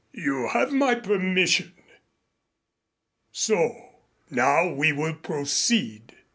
You have my permission. So Now we will proceed.